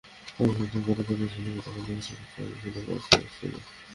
যখন ভারতের কাঁটাতার ছিল না, তখন দেখা-সাক্ষাৎ সহজ ছিল, পাস-কাগজ ছিল।